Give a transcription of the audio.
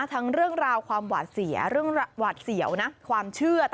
เรื่องราวความหวาดเสียเรื่องหวาดเสียวนะความเชื่อ